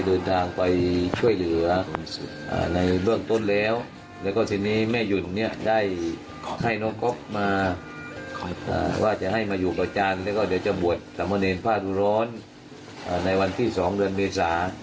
ตอนนี้ร่วมอนุโมทนาบุญกับน้องก๊อฟด้วยนะ